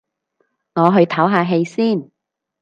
我去唞下氣先